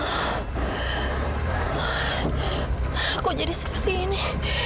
aku jadi seperti ini